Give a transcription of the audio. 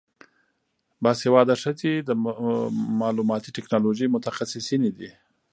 باسواده ښځې د معلوماتي ټیکنالوژۍ متخصصینې دي.